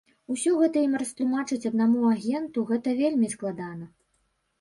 Усё гэта ім растлумачыць аднаму агенту гэта вельмі складана.